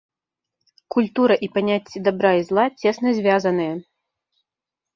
Культура і паняцці дабра і зла цесна звязаныя.